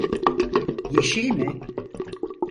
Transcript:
Yeşil mi?